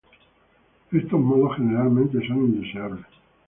Estos modos generalmente son indeseables.